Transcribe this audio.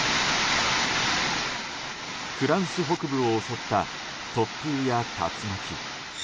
フランス北部を襲った突風や竜巻。